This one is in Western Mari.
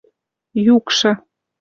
юкшы